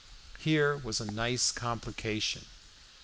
Here was a nice complication.